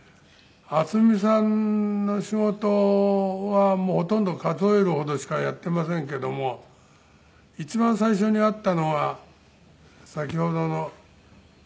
渥美さんの仕事はほとんど数えるほどしかやっていませんけども一番最初に会ったのは先ほどの写真にあった